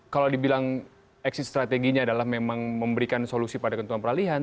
kalau dibilang exit strateginya adalah memang memberikan solusi pada ketentuan peralihan